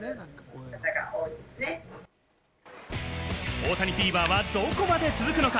大谷フィーバーは、どこまで続くのか？